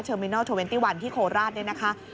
เชอร์มินัล๒๑ที่โคลาสเนี่ยนะคะ